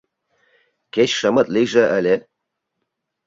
— Кеч шымыт лийже ыле.